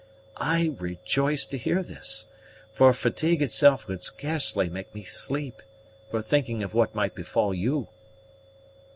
"I rejoice to hear this, for fatigue itself could scarcely make me sleep, for thinking of what might befall you."